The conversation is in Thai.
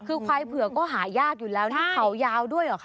คือควายเผือกก็หายากอยู่แล้วนี่เขายาวด้วยเหรอคะ